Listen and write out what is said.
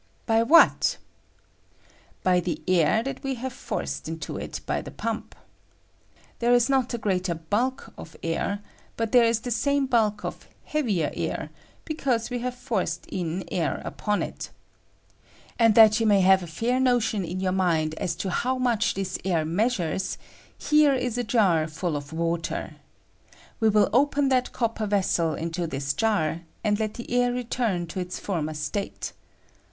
By what ? By the air that we have forced into it by the pump. There is not a greater bulk of air, but there ia the same bulk of heavier air, because we have forced in air upon it And that you may have a fair notion in your mind as to how much this air measures, here is a jar full of water. We will open that copper vessel into this jar, and let the air return to its former Btate.